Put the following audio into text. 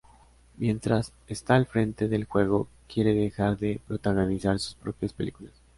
Mientras está al frente del juego, quiere dejar de protagonizar sus propias películas.